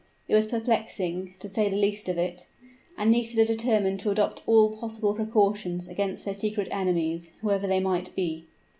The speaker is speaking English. It was perplexing, to say the least of it; and Nisida determined to adopt all possible precautions against her secret enemies, whoever they might be.